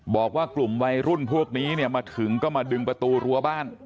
บอกว่ากลุ่มวัยรุ่นพวกนี้เนี่ยมาถึงก็มาดึงประตูรั้วบ้าน